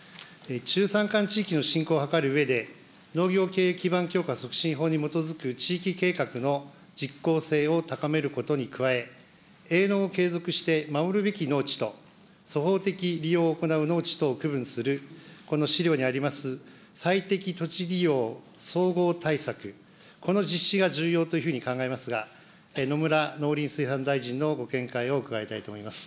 中山間地域の振興を図るうえで、農業経営基盤強化促進法に基づく地域計画の実効性を高めることに加え、営農を継続して守るべき農地と、粗放的利用を行う農地とを区分する、この資料にあります、最適土地利用総合対策、この実施が重要というふうに考えますが、野村農林水産大臣のご見解を伺いたいと思います。